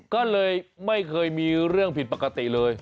ก็เลยไม่เคยมีเรื่องผิดปกติเลย